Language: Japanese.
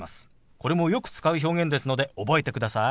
これもよく使う表現ですので覚えてください。